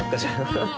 ハハハッ。